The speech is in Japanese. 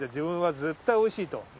分は絶対おいしいと。